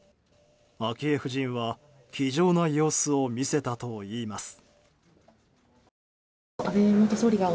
昭恵夫人は気丈な様子を見せたといいます。